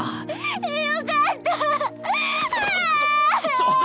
ちょっ！